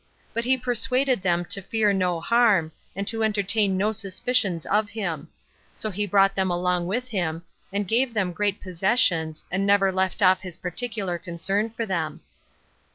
But he persuaded them to fear no harm, and to entertain no suspicions of him: so he brought them along with him, and gave them great possessions, and never left off his particular concern for them.